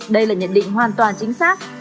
đây là nhận định hoàn toàn chính xác